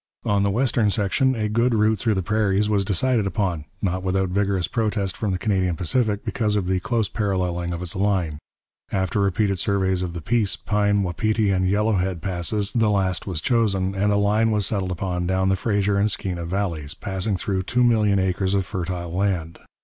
On the western section a good route through the prairies was decided upon, not without vigorous protest from the Canadian Pacific because of the close paralleling of its line. After repeated surveys of the Peace, Pine, Wapiti, and Yellowhead Passes, the last was chosen, and a line was settled upon down the Fraser and Skeena valleys, passing through two million acres of fertile land.